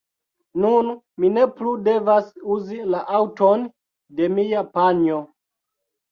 Nun mi ne plu devas uzi la aŭton de mia panjo.